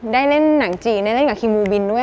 ได้เล่นหนังจีนได้เล่นกับคิมูบินด้วย